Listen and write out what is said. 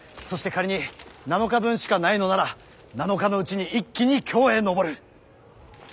そして仮に７日分しかないのなら７日のうちに一気に京へ上る。